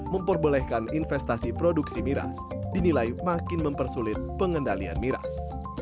memperbolehkan investasi produksi miras dinilai makin mempersulit pengendalian miras